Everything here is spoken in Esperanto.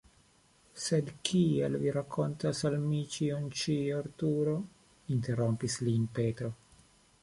"Sed kial Vi rakontas al mi ĉion ĉi? Arturo?" interrompis lin Petro.